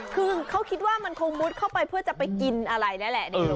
คือเขาคิดว่ามันคงมุดเข้าไปเพื่อจะไปกินอะไรแล้วแหละ